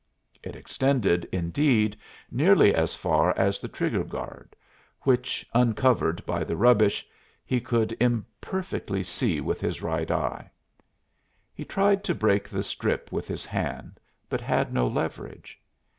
It extended, indeed, nearly as far as the trigger guard, which, uncovered by the rubbish, he could imperfectly see with his right eye. He tried to break the strip with his hand, but had no leverage.